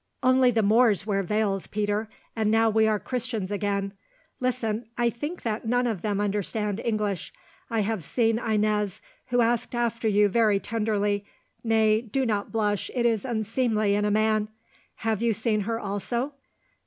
"Only the Moors wear veils, Peter, and now we are Christians again. Listen—I think that none of them understand English. I have seen Inez, who asked after you very tenderly—nay, do not blush, it is unseemly in a man. Have you seen her also?